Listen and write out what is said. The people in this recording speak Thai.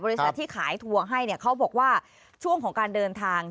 บริษัทที่ขายทัวร์ให้เขาบอกว่าช่วงของการเดินทาง